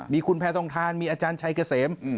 มีคุณแพทองทานมีอาจารย์ชัยเกษม